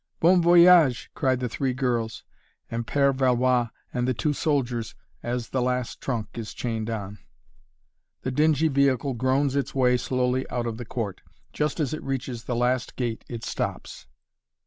"Bon voyage!" cry the three girls and Père Valois and the two soldiers, as the last trunk is chained on. The dingy vehicle groans its way slowly out of the court. Just as it reaches the last gate it stops.